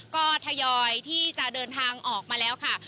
ก็ทยอยที่จะเดินทางออกมาแล้วค่ะ